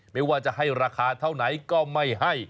ไม่ว่าจะให้ราคาเท่าไหนก็ไม่ให้